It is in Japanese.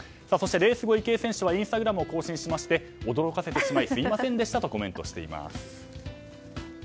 レース後、池江選手はインスタグラムを更新しまして、驚かせてしまいすみませんでしたとコメントしています。